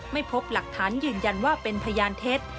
ไม่พบหลักฐานยืนยันว่าเป็นพยานเท็จ